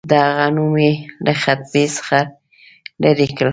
د هغه نوم یې له خطبې څخه لیري کړ.